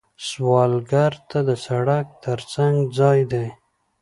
سوالګر ته د سړک تر څنګ ځای دی